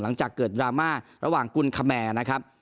หลังจากเกิดดราม่าระหว่างกุลคแมร์นะครับ